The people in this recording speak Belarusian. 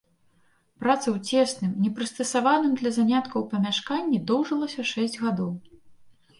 Праца ў цесным, непрыстасаваным для заняткаў памяшканні доўжылася шэсць гадоў.